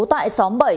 tại xóm bảy